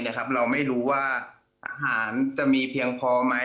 เราไม่รู้ว่าอาหารจะมีเพียงพอไหม